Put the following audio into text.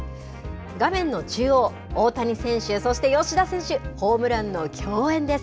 画面の中央大谷選手、そして吉田選手ホームランの競演です。